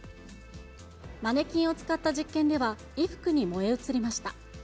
マネキンを使った実験では、衣服に燃え移りました。